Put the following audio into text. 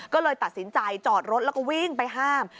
ก็เลยตัดสินใจจอดรถแล้วก็วิ่งไปห้าม